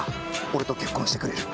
俺と結婚してくれる？